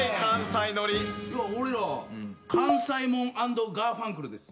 俺ら関西モン＆ガーファンクルです。